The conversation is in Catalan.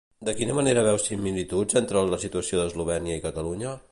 De quina manera veu similituds entre la situació d'Eslovènia i Catalunya?